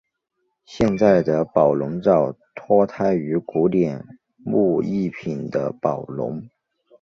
现在的宝龙罩脱胎于古典木艺品的宝笼。